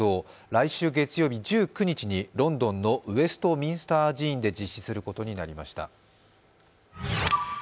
来週月曜日１９日にロンドンのウェストミンスター寺院で実施することになりました。